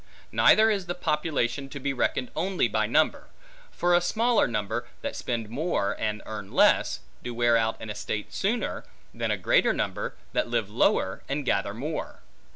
Neither is the population to be reckoned only by number; for a smaller number, that spend more and earn less, do wear out an estate sooner, than a greater number that live lower, and gather more.